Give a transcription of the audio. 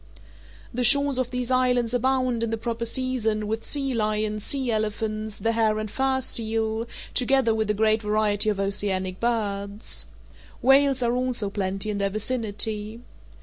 The shores of these islands abound, in the proper season, with sea lions, sea elephants, the hair and fur seal, together with a great variety of oceanic birds. Whales are also plenty in their vicinity.